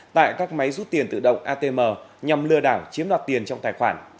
tại các máy rút tiền tự động atm nhằm lừa đảo chiếm đoạt tiền trong tài khoản